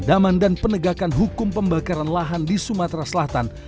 pemadaman dan penegakan hukum pembakaran lahan di sumatera selatan